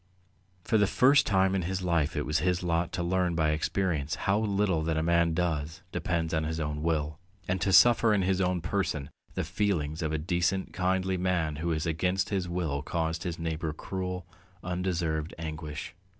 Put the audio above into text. For the first time in his life it was his lot to learn by experience how little that a man does depends on his own will, and to suffer in his own person the feelings of a decent kindly man who has against his will caused his neighbour cruel, undeserved anguish.